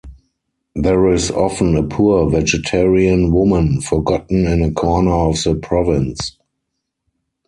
There is often a poor vegetarian woman forgotten in a corner of the province ...